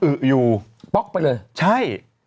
ดื่มน้ำก่อนสักนิดใช่ไหมคะคุณพี่